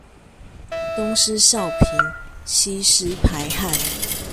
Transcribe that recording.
東施效顰，吸濕排汗